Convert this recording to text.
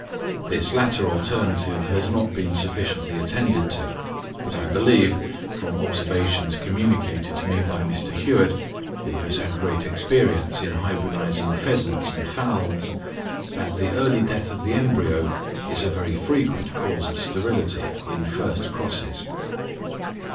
This latter alternative has not been sufficiently attended to; but I believe, from observations communicated to me by Mr. Hewitt, who has had great experience in hybridising pheasants and fowls, that the early death of the embryo is a very frequent cause of sterility in first crosses.